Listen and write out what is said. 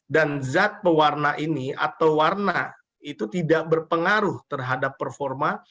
dan zat pewarna ini atau warna itu tidak berpengaruh terhadap performa